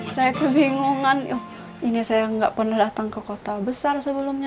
saya kebingungan ini saya nggak pernah datang ke kota besar sebelumnya